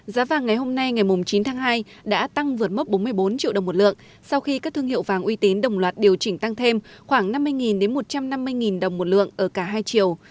giá vàng ngày hôm nay ngày chín tháng hai đã tăng vượt mốc bốn mươi bốn triệu đồng một lượng sau khi các thương hiệu vàng uy tín đồng loạt điều chỉnh tăng thêm khoảng năm mươi một trăm năm mươi đồng một lượng ở cả hai triệu